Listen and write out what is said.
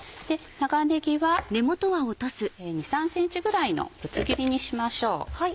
長ねぎは２３ｃｍぐらいのぶつ切りにしましょう。